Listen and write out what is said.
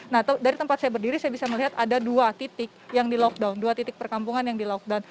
nah dari tempat saya berdiri saya bisa melihat ada dua titik yang dilokdan dua titik perkampungan yang dilokdan